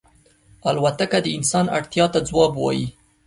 الوتکه د انسان اړتیا ته ځواب وايي.